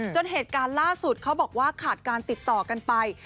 เหตุการณ์ล่าสุดเขาบอกว่าขาดการติดต่อกันไป